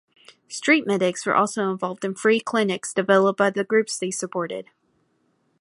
Street medics were also involved in free clinics developed by the groups they supported.